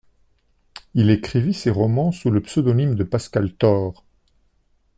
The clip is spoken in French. Il écrivit ses romans sous le pseudonyme de Pascal Thorre.